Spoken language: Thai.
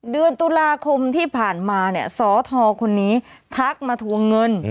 เดือนตุลาคมที่ผ่านมาเนี่ยสทคนนี้ทักมาทวงเงิน